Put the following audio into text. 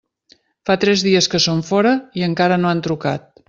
Fa tres dies que són fora i encara no han trucat.